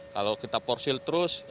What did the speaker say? kalau kita porcil terus